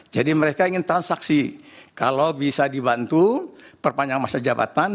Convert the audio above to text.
jadi mereka ingin transaksi kalau bisa dibantu perpanjang masa jabatan